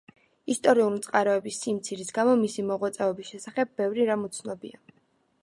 ისტორიული წყაროების სიმცირის გამო, მისი მოღვაწეობის შესახებ ბევრი რამ უცნობია.